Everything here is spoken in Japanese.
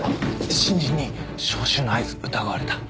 新人に招集の合図疑われた。